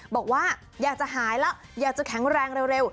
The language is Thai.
บอกว่าอยากจะหายแล้วอยากจะแข็งแรงเร็ว